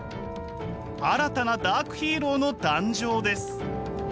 新たなダークヒーローの誕生です。